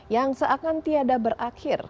yang seakan tiada berakhir